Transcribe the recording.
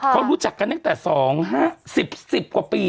เขารู้จักกันตั้งแต่๒๕๐๑๐กว่าปี